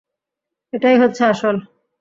এটাই হচ্ছে আসল।